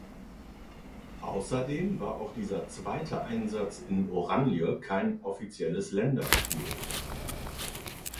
Außerdem war auch dieser zweite Einsatz in "Oranje" kein offizielles Länderspiel.